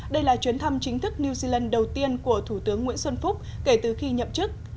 đây là chuyến thăm chính thức new zealand đầu tiên của thủ tướng nguyễn xuân phúc kể từ khi nhậm chức